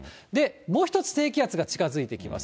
もう一つ、低気圧が近づいてきます。